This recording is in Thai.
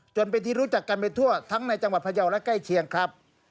จนเป็นที่รู้จักกันไปทั่วทั้งในจังหวัดพยาวและใกล้เคียงครับ